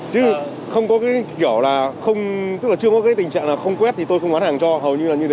chứ không có cái kiểu là tức là chưa có cái tình trạng là không quét thì tôi không bán hàng cho hầu như là như thế